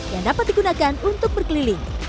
yang dapat digunakan untuk berkeliling